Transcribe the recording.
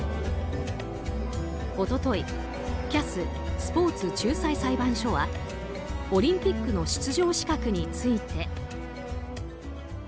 一昨日、ＣＡＳ・スポーツ仲裁裁判所はオリンピックの出場資格について。